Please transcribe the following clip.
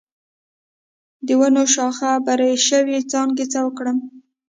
د ونو شاخه بري شوي څانګې څه کړم؟